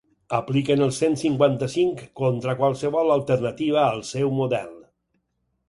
Apliquen el cent cinquanta-cinc contra qualsevol alternativa al seu model.